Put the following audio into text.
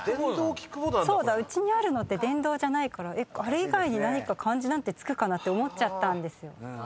うちにあるのって電動じゃないからあれ以外に何か漢字なんて付くかなって思っちゃったんですよ。